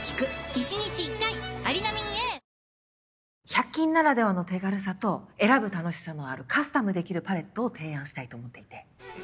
百均ならではの手軽さと選ぶ楽しさのあるカスタムできるパレットを提案したいと思っていて。